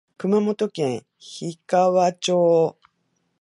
熊本県氷川町